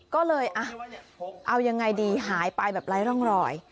ก็เลยเอายังไงดีหายไปแบบไร้ร่องรอย